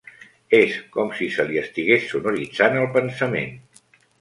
És com si se li estigués sonoritzant el pensament.